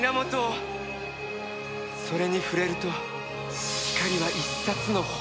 それに触れると光は一冊の本になった。